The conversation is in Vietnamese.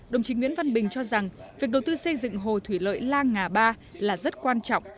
đồng chí nguyễn văn bình cho rằng việc đầu tư xây dựng hồ thủy lợi la ngà ba là rất quan trọng